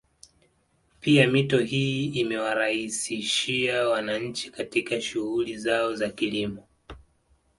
Pia mito hii imewaraisishia wananchi katika shughuli zao za kilimo